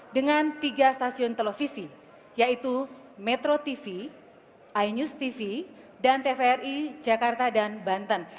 dengan tiga stasiun televisi yaitu metro tv inews tv dan tvri jakarta dan banten